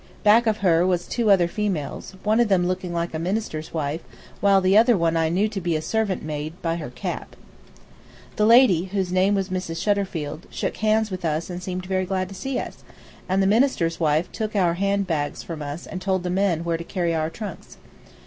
Back of her was two other females, one of them looking like a minister's wife, while the other one I knew to be a servant maid, by her cap. [Illustration: "THAT WAS OUR HOUSE"] The lady, whose name was Mrs. Shutterfield, shook hands with us and seemed very glad to see us, and the minister's wife took our hand bags from us and told the men where to carry our trunks.